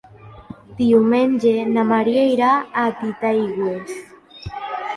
Diumenge na Maria irà a Titaigües.